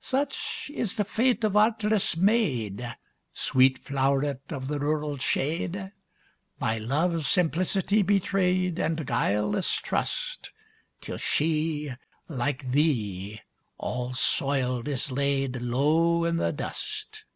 Such is the fate of artless maid, Sweet flow'ret of the rural shade! By love's simplicity betrayed, And guileless trust, Till she, like thee, all soiled, is laid Low i' the dust.